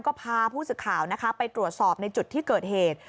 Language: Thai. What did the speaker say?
ก็พาผู้สื่อข่าวนะคะไปตรวจสอบในจุดที่เกิดเหตุ